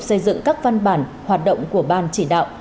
xây dựng các văn bản hoạt động của ban chỉ đạo